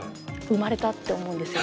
「産まれた」って思うんです。